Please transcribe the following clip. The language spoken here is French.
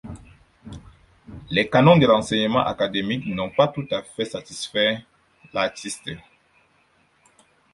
Les canons de l'enseignement académique n'ont pas tout à fait satisfait l'artiste.